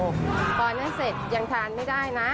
พอนั้นเสร็จยังทานไม่ได้นะ